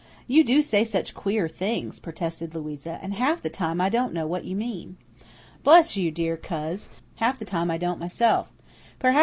"You do say such queer things," protested Louisa, "and half the time I don't know what you mean." "Bless you, dear coz, half the time I don't myself.